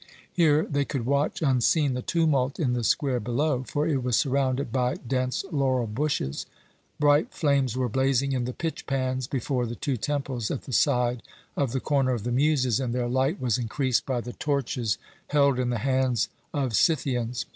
Here they could watch unseen the tumult in the square below, for it was surrounded by dense laurel bushes. Bright flames were blazing in the pitch pans before the two temples at the side of the Corner of the Muses, and their light was increased by the torches held in the hands of Scythians.